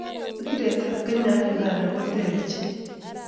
Mpiret ab kenya ak Uganda koter ochei